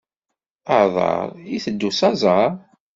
Aḍar, iteddu s aẓar.